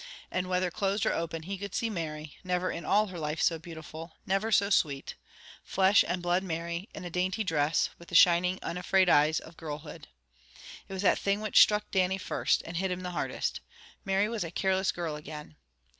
And whether closed or open, he could see Mary, never in all her life so beautiful, never so sweet; flesh and blood Mary, in a dainty dress, with the shining, unafraid eyes of girlhood. It was that thing which struck Dannie first, and hit him hardest. Mary was a careless girl again.